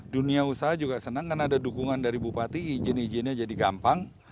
dunia usaha juga senang karena ada dukungan dari bupati izin izinnya jadi gampang